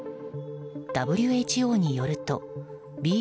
ＷＨＯによるとＢＡ